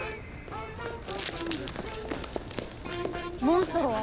モンストロは？